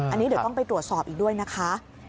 อันนี้เดี๋ยวต้องไปตรวจสอบอีกด้วยนะคะ